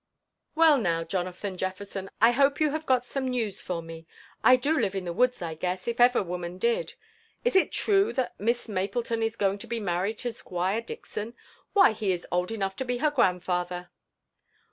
"Weil now, Jonathan JeO^erson, I hope you have got some news for me. I do live in the woods, I guess, if ever woman did. Is it true that Miss Mapleton is going to be married to Squire Dickson? Why, he is old enough to be her grandfather."